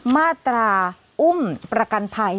มาตราอุ้มประกันภัย